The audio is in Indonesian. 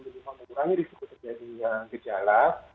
minimal mengurangi risiko terjadi gejala